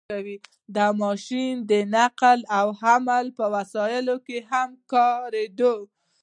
• دا ماشین د نقل او حمل په وسایلو کې هم کارېده.